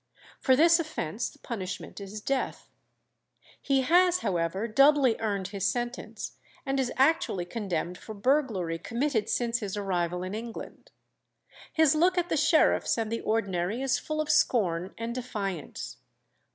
For this offence the punishment is death. He has, however, doubly earned his sentence, and is actually condemned for burglary committed since his arrival in England. His look at the sheriffs and the ordinary is full of scorn and defiance.